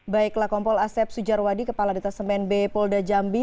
baiklah kompol asep sujarwadi kepala detas mnb polda jambi